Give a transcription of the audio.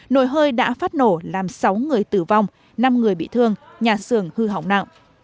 nồi hơi đã phát nổ làm sáu người tử vong năm người bị thương nhà xưởng hư hỏng nặng